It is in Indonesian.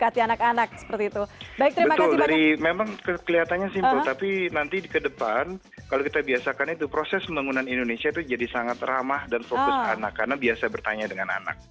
jadi memang kelihatannya simpel tapi nanti ke depan kalau kita biasakan itu proses pembangunan indonesia itu jadi sangat ramah dan fokus anak karena biasa bertanya dengan anak